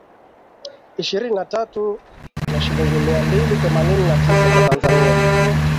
ishirini na tatu na shilingi mia mbili themanini na tisa za Tanzania